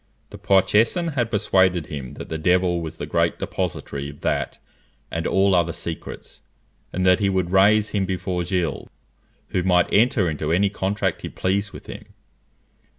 The Poitousan had persuaded him that the devil was the great depository of that and all other secrets, and that he would raise him before Gilles, who might enter into any contract he pleased with him.